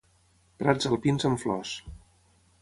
Prats alpins amb flors.